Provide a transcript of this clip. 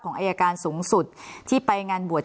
อายการสูงสุดที่ไปงานบวช